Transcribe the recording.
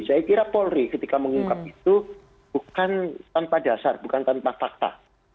saya kira polri ketika mengungkap itu bukan tanpa dasar bukan tanpa fakta